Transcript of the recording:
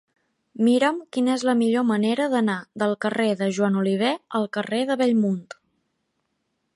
Mira'm quina és la millor manera d'anar del carrer de Joan Oliver al carrer de Bellmunt.